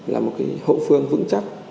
là một cái hậu phương vững chắc